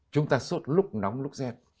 chúng ta sốt lúc nóng lúc rét